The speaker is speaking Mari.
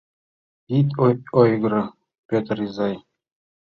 Ит ойгыро, Пӧтыр изай!